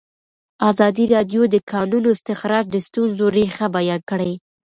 ازادي راډیو د د کانونو استخراج د ستونزو رېښه بیان کړې.